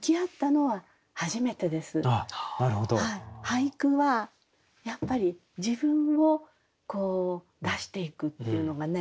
俳句はやっぱり自分を出していくっていうのがね